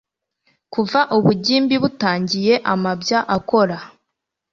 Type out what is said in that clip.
kuva ubugimbi butangiye, amabya akora